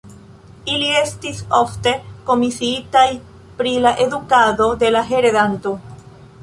Ili estis ofte komisiitaj pri la edukado de la heredanto.